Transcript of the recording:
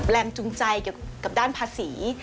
แรงจูงใจเกี่ยวกับด้านภาษี